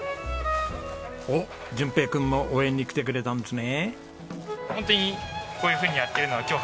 おっ順平君も応援に来てくれたんですね。